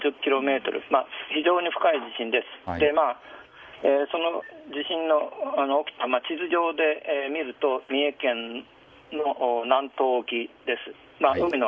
非常に深い地震でしてその地震の震源を地図上で見ると三重県の南東沖です。